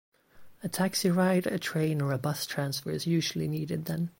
A taxi ride a train or a bus transfer is usually needed then.